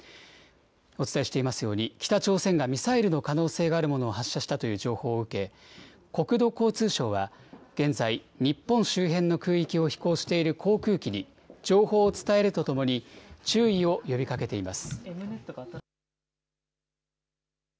お伝えしていますように、北朝鮮がミサイルの可能性があるものを発射したという情報を受け、国土交通省は、現在、日本周辺の空域を飛行している航空機に、情報を伝えるとともに、注意を呼びかけています。